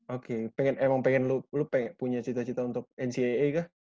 oke emang pengen lu punya cita cita untuk ncaa kah